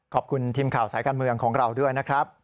ขอบคุณทีมข่าวสายการเมืองของเราด้วยนะครับ